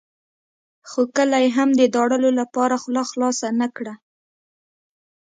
خو کله یې هم د داړلو لپاره خوله خلاصه نه کړه.